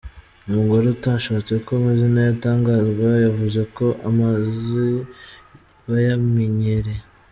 Umugore utashatse ko amazina ye atangazwa yavuze ko amazi bayamenyereye.